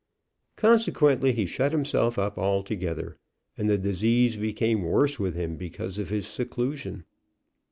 Consequently he shut himself up altogether, and the disease became worse with him because of his seclusion.